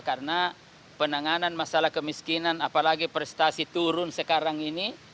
karena penanganan masalah kemiskinan apalagi prestasi turun sekarang ini